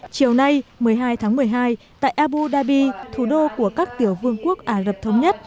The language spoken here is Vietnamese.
chiều nay một mươi hai tháng một mươi hai tại abu dhabi thủ đô của các tiểu vương quốc ả rập thống nhất